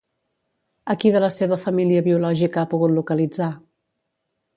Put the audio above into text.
A qui de la seva família biològica ha pogut localitzar?